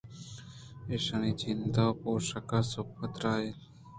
ایشانی جند ءُپوشاک ساپ تر اِت اَنت